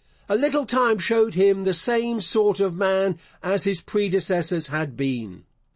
A little time showed him the same sort of man as his predecessors had been.